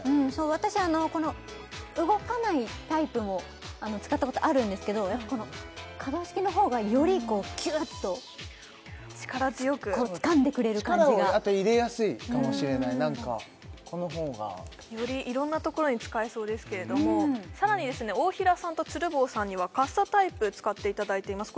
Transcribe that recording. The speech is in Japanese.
私あのこの動かないタイプも使ったことあるんですけどやっぱこの可動式の方がよりキューッと力強くこうつかんでくれる感じが力をあと入れやすいかもしれない何かこの方がより色んなところに使えそうですけれどもさらにですね大平さんと鶴房さんにはカッサタイプ使っていただいています